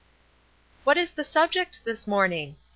"What is the subject this morning?"